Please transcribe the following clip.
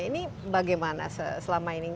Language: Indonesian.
ini bagaimana selama ini